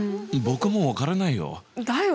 僕も分からないよ。